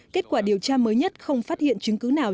kết quả điều tra mới nhất không phát hiện chứng cứ nào